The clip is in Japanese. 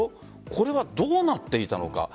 これはどうなっていたのか。